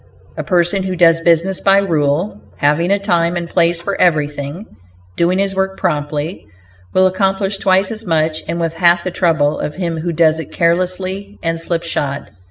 A person who does business by rule, having a time and place for everything, doing his work promptly, will accomplish twice as much and with half the trouble of him who does it carelessly and slipshod.